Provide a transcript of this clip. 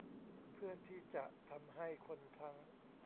เพื่อที่จะทำให้คนทั้ง